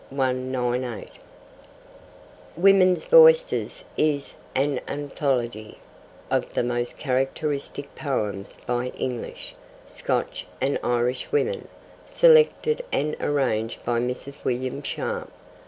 Women's Voices is an anthology of the most characteristic poems by English, Scotch and Irish women, selected and arranged by Mrs. William Sharp.